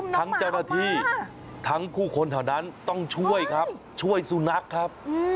ทั้งจังหาที่ทั้งคู่คนเท่านั้นต้องช่วยครับช่วยสุนัขครับ